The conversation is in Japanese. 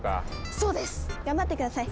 そうです！頑張って下さい。